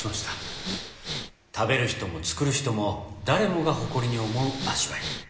食べる人も作る人も誰もが誇りに思う味わい。